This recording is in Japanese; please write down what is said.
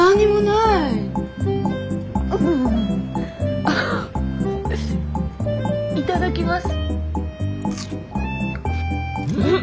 いただきます。